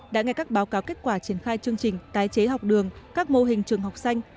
đã nghe các báo cáo kết quả triển khai chương trình tái chế học đường các mô hình trường học xanh